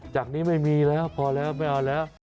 จากนี้ไม่มีแล้วพอแล้วไม่เอาแล้ว